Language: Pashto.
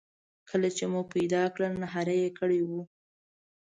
کله چې مو پیدا کړل نهاري یې کړې وه.